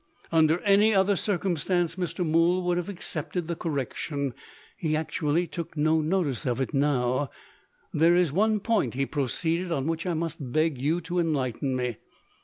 Under any other circumstances Mr. Mool would have accepted the correction. He actually took no notice of it now! "There is one point," he proceeded, "on which I must beg you to enlighten me."